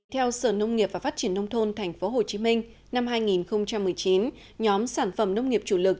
theo sở nông nghiệp và phát triển nông thôn tp hcm năm hai nghìn một mươi chín nhóm sản phẩm nông nghiệp chủ lực